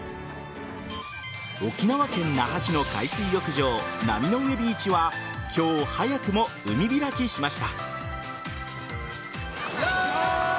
沖縄県那覇市の海水浴場波の上ビーチは今日、早くも海開きしました。